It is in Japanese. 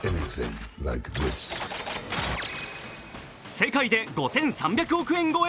世界で５３００億円超え。